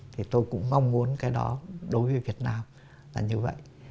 thì tôi cũng mong muốn cái đó đối với việt nam là như vậy